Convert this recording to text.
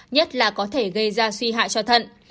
nhất là có thể gây ra suy hại cho thận